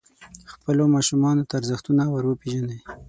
خپلو ماشومانو ته ارزښتونه وروپېژنئ.